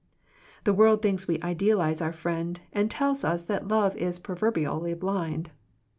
The world thinks we idealize our friend, and tells us that love is pro verbially blind.